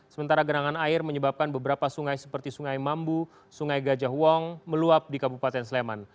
sementara genangan air menyebabkan beberapa sungai seperti sungai mambu sungai gajah wong meluap di kabupaten sleman